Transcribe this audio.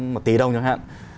một tỷ đồng chẳng hạn